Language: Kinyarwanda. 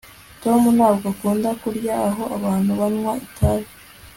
tom ntabwo akunda kurya aho abantu banywa itabi